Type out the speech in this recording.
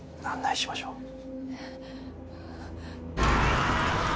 案内しましょう。